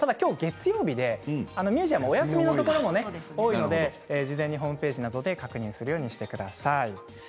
ただきょうは月曜日でミュージアムはお休みのところも多いので事前にホームページなどで、確認するようにしてください。